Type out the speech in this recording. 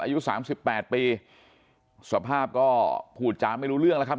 อายุ๓๘ปีสภาพก็พูดจาไม่รู้เรื่องนะครับ